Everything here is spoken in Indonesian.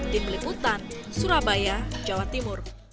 tim liputan surabaya jawa timur